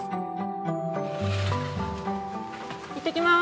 いってきます。